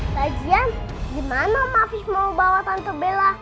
lagian di mana ma fis mau bawa tante bella